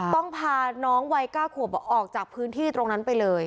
ต้องพาน้องวัย๙ขวบออกจากพื้นที่ตรงนั้นไปเลย